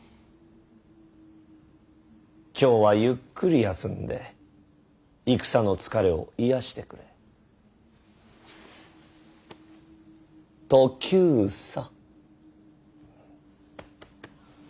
今日はゆっくり休んで戦の疲れを癒やしてくれトキューサ。